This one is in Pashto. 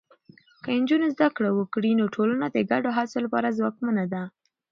که نجونې زده کړه وکړي، نو ټولنه د ګډو هڅو لپاره ځواکمنه ده.